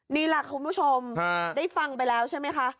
นี่แหละคุณผู้ชมได้ฟังไปแล้วใช่ไหมคะ